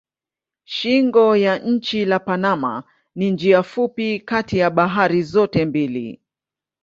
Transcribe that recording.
Shingo ya nchi la Panama ni njia fupi kati ya bahari zote mbili.